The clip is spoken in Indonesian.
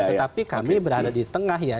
tetapi kami berada di tengah ya